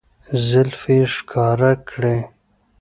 زلفې يې ښکاره کړې